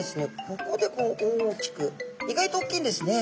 ここでこう大きく意外とおっきいんですね。